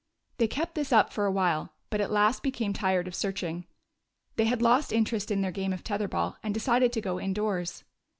They kept this up for a while, but at last be came tired of searching. They had lost interest in their game of tether ball and decided to go indoors.